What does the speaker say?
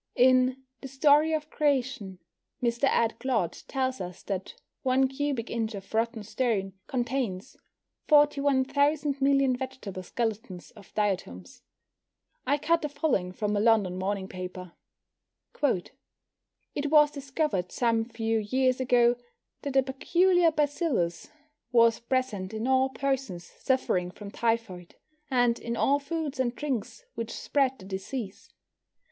In The Story of Creation Mr. Ed. Clodd tells us that one cubic inch of rotten stone contains 41 thousand million vegetable skeletons of diatoms. I cut the following from a London morning paper: It was discovered some few years ago that a peculiar bacillus was present in all persons suffering from typhoid, and in all foods and drinks which spread the disease.